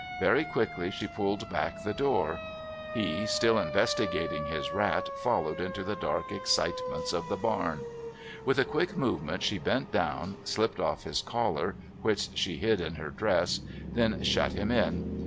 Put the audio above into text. Very quickly she pulled back the door; he, still investigating his rat, followed into the dark excitements of the barn. With a quick movement she bent down, slipped off his collar, which she hid in her dress, then shut him in.